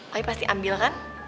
tapi pasti ambil kan